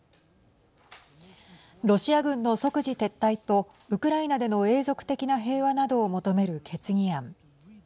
ロシア軍の即時撤退とウクライナでの永続的な平和などを求める決議案。